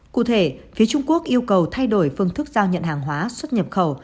cụ thể phía trung quốc yêu cầu thay đổi phương thức giao nhận hàng hóa xuất nhập khẩu